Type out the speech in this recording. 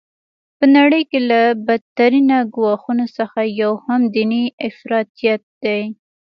په نړۍ کي له بد ترینه ګواښونو څخه یو هم دیني افراطیت دی.